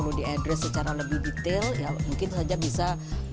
atau kita bisa mengedres secara lebih detail ya mungkin saja bisa